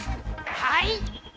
はい！